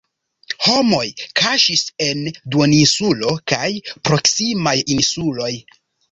Homoj kaŝis en duoninsulo kaj proksimaj insuloj.